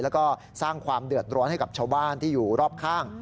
แล้วก็สร้างความเดือดร้อนให้กับชาวบ้านที่อยู่รอบข้าง